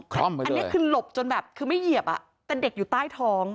อันนี้คือหลบจนแบบคือไม่เหยียบแต่เด็กอยู่ใต้ท้อง